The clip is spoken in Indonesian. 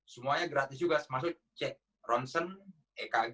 semuanya gratis juga termasuk cek ronsen ekg